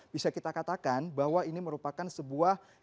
bisa kita katakan bahwa merupakan bahwa ini merupakan sebuah